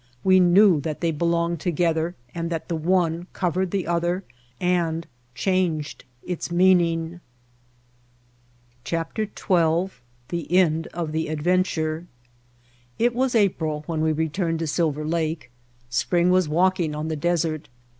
We knew that they belonged together and that one covered the other and changed its meaning. XII The End of the Adventure IT was April when we returned to Silver Lake. Spring was walking on the desert.